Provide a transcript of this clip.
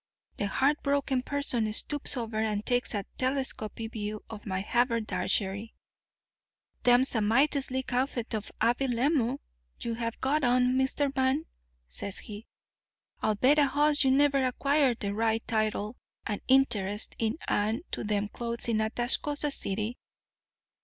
The heartbroken person stoops over and takes a telescopic view of my haberdashery. "'Them's a mighty slick outfit of habiliments you have got on, Mr. Man,' says he. 'I'll bet a hoss you never acquired the right, title, and interest in and to them clothes in Atascosa City.